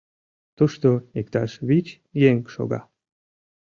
Тушто иктаж вич еҥ шога.